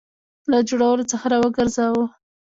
له جوړولو څخه را وګرځاوه.